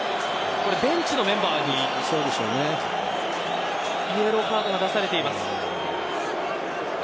これ、ベンチのメンバーにイエローカードが出されています。